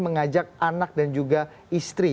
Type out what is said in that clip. mengajak anak dan juga istri